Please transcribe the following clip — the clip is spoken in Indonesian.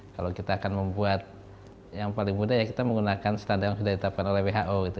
kalau kita akan membuat yang paling mudah ya kita menggunakan standar yang sudah ditetapkan oleh who itu